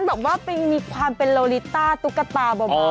เพราะฉะนั้นแบบว่ามีความเป็นโลลิต้าตุ๊กตาบ่ม